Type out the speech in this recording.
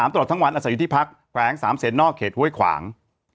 ตลอดทั้งวันอาศัยอยู่ที่พักแขวง๓เสนนอกเขตห้วยขวาง